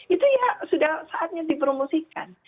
itu ya sudah saatnya dipromosikan